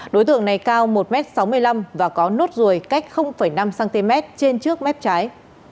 đối tượng này cao một m sáu mươi năm và có nốt ruồi cách năm cm trên trước mép trái